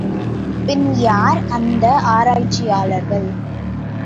பின் யார், அந்த ஆராய்ச்சியாளர்கள்?